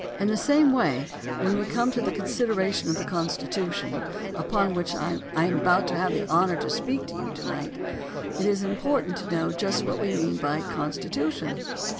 In the same way, when we come to the considera tion of the Constitution upon which I am to have the honor to speak to you to night, it is important to know just what we mean by a "constitution."